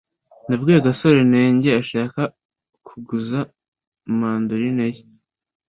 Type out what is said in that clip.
nabwiye gasore nenge ashaka kuguza mandoline ye